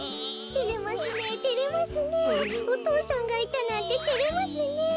てれますねえてれますねえお父さんがいたなんててれますねえ。